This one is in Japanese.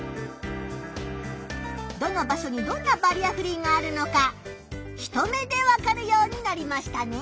どの場所にどんなバリアフリーがあるのか一目でわかるようになりましたね。